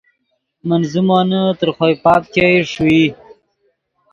من زیمونے تر خوئے پاپ ګئے ݰوئے